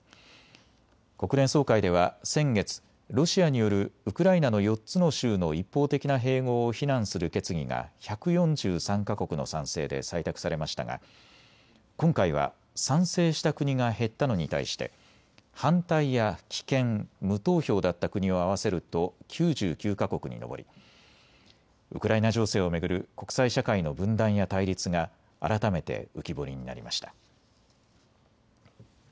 国連総会では先月、ロシアによるウクライナの４つの州の一方的な併合を非難する決議が１４３か国の賛成で採択されましたが今回は賛成した国が減ったのに対して反対や棄権、無投票だった国を合わせると９９か国に上りウクライナ情勢を巡る国際社会の分断や対立が改めて浮き彫りになりました。